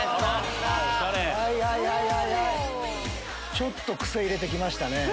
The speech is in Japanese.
ちょっと癖入れて来ましたね。